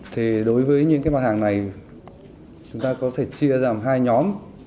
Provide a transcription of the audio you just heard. thì đối với những cái mặt hàng này chúng ta có thể chia ra hai nhóm